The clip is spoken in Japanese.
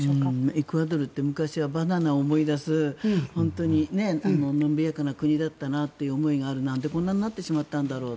エクアドルって昔はバナナを思い出す本当に伸びやかな国だなという思いがあるのでなんでこんなことになってしまったんだろう。